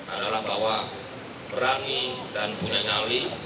adalah bahwa berani dan punya nyali